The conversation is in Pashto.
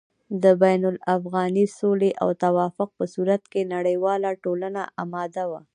د بين الافغاني سولې او توافق په صورت کې نړېواله ټولنه اماده وه